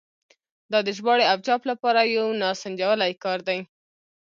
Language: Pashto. دا د ژباړې او چاپ لپاره یو ناسنجولی کار دی.